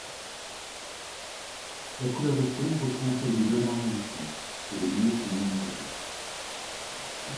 La couleur de fond reprend celle du dollar américain et les billets sont numérotés.